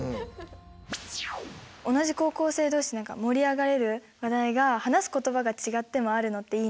同じ高校生同士何か盛り上がれる話題が話す言葉が違ってもあるのっていいなって思いました。